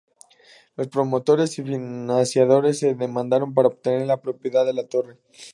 Los promotores y financiadores se demandaron para obtener la propiedad de la torre.